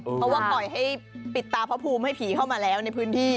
เพราะว่าปล่อยให้ปิดตาพระภูมิให้ผีเข้ามาแล้วในพื้นที่